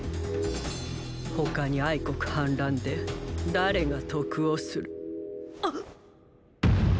他に国反乱で誰が得をする！